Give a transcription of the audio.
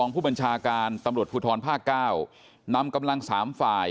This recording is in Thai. ผู้บัญชาการตำรวจภูทรภาค๙นำกำลัง๓ฝ่าย